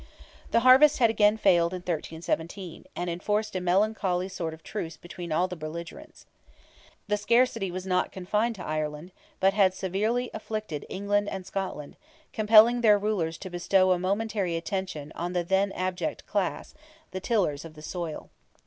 The harvest had again failed in 1317, and enforced a melancholy sort of truce between all the belligerents. The scarcity was not confined to Ireland, but had severely afflicted England and Scotland, compelling their rulers to bestow a momentary attention on the then abject class, the tillers of the soil.